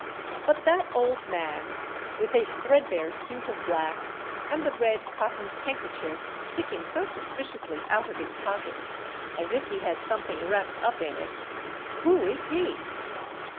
But that old man, with a threadbare suit of black, and the red cotton handkerchief sticking so suspiciously out of his pocket, as if he had something wrapped up in it,—who is he?